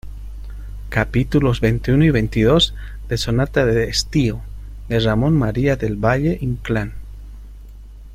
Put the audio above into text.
capítulos veintiuno y veintidós de Sonata de Estío, de Ramón María del Valle-Inclán.